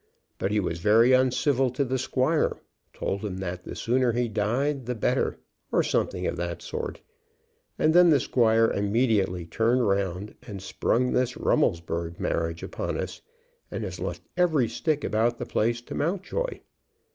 But he was very uncivil to the squire, told him that the sooner he died the better, or something of that sort; and then the squire immediately turned round and sprung this Rummelsburg marriage upon us, and has left every stick about the place to Mountjoy.